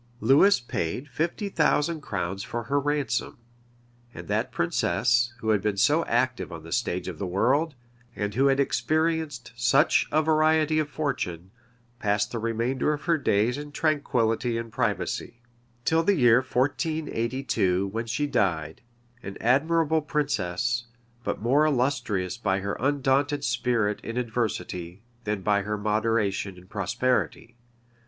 Lewis paid fifty thousand crowns for her ransom; and that princess, who had been so active on the stage of the world, and who had experienced such a variety of fortune, passed the remainder of her days in tranquility and privacy, till the year 1482, when she died; an admirable princess, but more illustrious by her undaunted spirit in adversity, than by her moderation in prosperity.